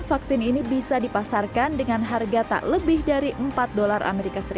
vaksin ini bisa dipasarkan dengan harga tak lebih dari empat dolar as